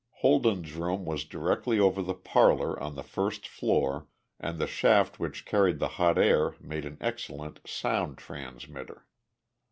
Holden's room was directly over the parlor on the first floor and the shaft which carried the hot air made an excellent sound transmitter.